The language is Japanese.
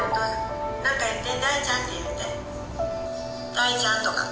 「大ちゃん」とか。